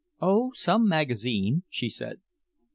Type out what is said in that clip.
"Oh, some magazine," she said.